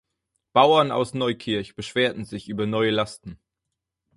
Bauern aus Neukirch beschwerten sich über neue Lasten.